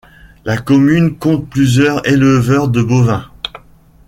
La commune compte plusieurs éleveurs de bovins.